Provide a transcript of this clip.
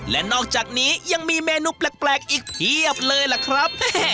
และนอกจากนี้ยังมีเมนูแปลกอีกเพียบเลยล่ะครับ